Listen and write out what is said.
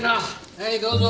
はいどうぞ。